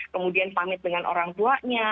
kemudian pamit dengan orang tuanya